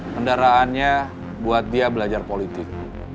kendaraannya buat dia belajar politik